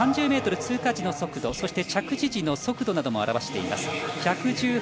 ３０ｍ通過時の速度着地時の速度なども表しています。